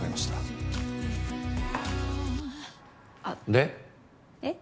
で？えっ？